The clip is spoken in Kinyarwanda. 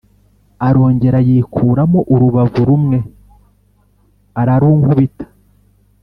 arongera yikuramo urubavu rumwe, ararunkubita